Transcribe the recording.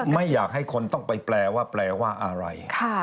ไม่อยากให้คนต้องไปแปลว่าแปลว่าอะไร